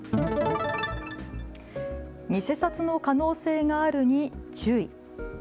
偽札の可能性があるに注意。